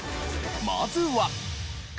まずは。